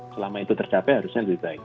selama itu tercapai harusnya lebih baik